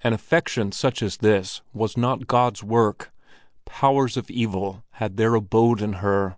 An affection such as this was not God's work; powers of evil had their abode in her.